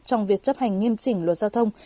trong việc chấp hành nghiêm chỉnh luật giao thông